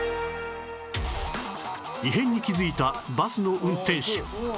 異変に気づいたバスの運転手